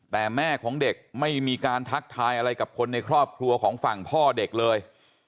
แต่แม่ของเด็กไม่มีการทักทายอะไรกับคนในครอบครัวของฝั่งพ่อเด็กเลย